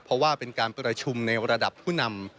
เพราะว่าเป็นการประชุมในระดับผู้นำ